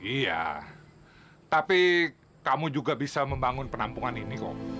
iya tapi kamu juga bisa membangun penampungan ini kok